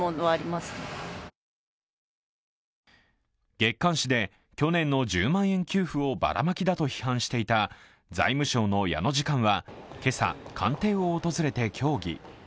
月刊誌で去年の１０万円給付をバラマキだと批判していた財務省の矢野次官は今朝、官邸を訪れて協議。